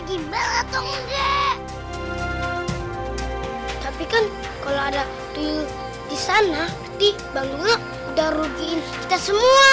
gimbal atau enggak tapi kan kalau ada di sana di bang duluk udah rugiin kita semua